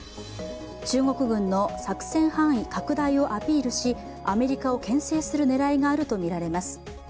中国軍の作戦範囲拡大をアピールしアメリカをけん制する狙いがあるとみられます。